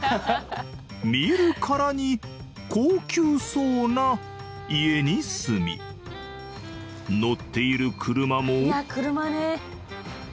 見るからに高級そうな家に住み乗っている車も。